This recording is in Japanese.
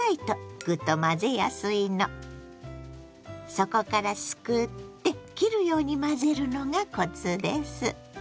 底からすくって切るように混ぜるのがコツです。